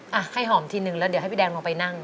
อ่ะให้หอมทีนึงแล้วเดี๋ยวให้พี่แดงลงไปนั่ง